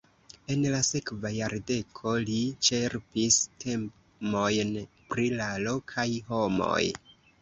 En la sekva jardeko li ĉerpis temojn pri la lokaj homoj.